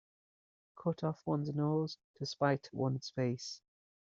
Cut off one's nose to spite one's face.